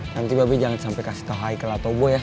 nanti babe jangan sampe kasih tau hayo ke latoboy ya